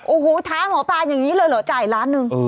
โอ้โหท้าหมอปลาอย่างนี้เลยเหรอจ่ายล้านหนึ่ง